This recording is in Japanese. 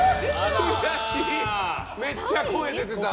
めっちゃ声出てた。